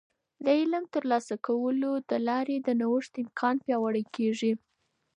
د علم د ترلاسه کولو د لارې د نوښت امکان پیاوړی کیږي.